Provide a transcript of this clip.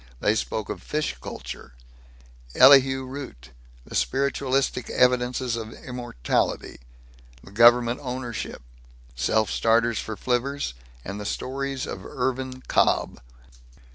They spoke of fish culture, Elihu Root, the spiritualistic evidences of immortality, government ownership, self starters for flivvers, and the stories of Irvin Cobb.